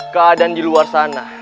keadaan di luar sana